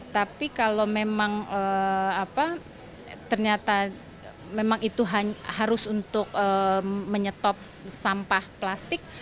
tapi kalau memang ternyata memang itu harus untuk menyetop sampah plastik